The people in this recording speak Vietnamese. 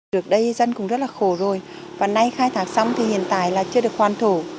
trước đây dân cũng rất là khổ rồi và nay khai thác xong thì hiện tại là chưa được hoàn thổ